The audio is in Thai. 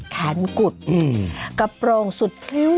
แขนกุดกระโปรงสุดพริ้ว